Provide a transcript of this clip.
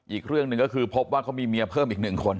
อีกเรื่องหนึ่งก็คือพบว่าเขามีเมียเพิ่มอีกหนึ่งคน